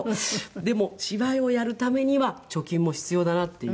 でも芝居をやるためには貯金も必要だなっていう。